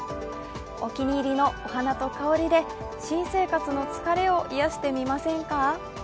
お気に入りのお花と香りで、新生活の疲れを癒してみませんか？